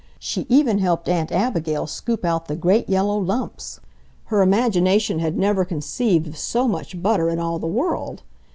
She even helped Aunt Abigail scoop out the great yellow lumps—her imagination had never conceived of so much butter in all the world!